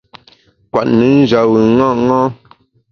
Kwet nùn njap bùn ṅaṅâ.